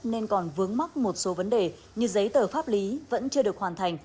nên còn vướng mắc một số vấn đề như giấy tờ pháp lý vẫn chưa được hoàn thành